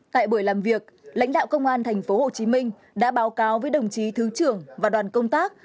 tại buổi làm việc lãnh đạo công an tp hcm đã báo cáo với đồng chí thứ trưởng và đoàn công tác